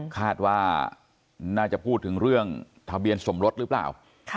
คาดว่าน่าจะพูดถึงเรื่องทะเบียนสมรสหรือเปล่า